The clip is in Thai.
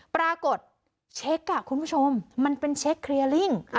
ปรากฏเช็คคุณผู้ชมมันเป็นเช็คเคลียร์ลิ่ง